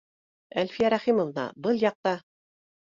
— Әлфиә Рәхимовна, был яҡта